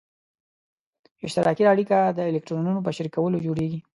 اشتراکي اړیکه د الکترونونو په شریکولو جوړیږي.